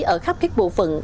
ở khắp các bộ phận